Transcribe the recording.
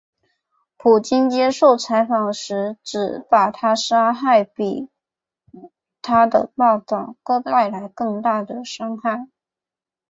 普京接受采访时指把她杀害比她的报导带来更大的伤害。